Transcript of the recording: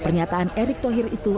pernyataan erick thohir itu